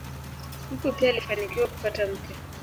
Huko pia alifanikiwa kupata mke.